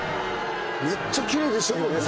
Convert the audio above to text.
めっちゃきれいでしたけどね